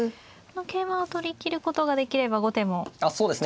桂馬を取りきることができれば後手もちょっと安心しますね。